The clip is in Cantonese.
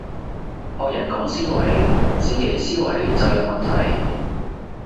學人講思維，自己思維就有問題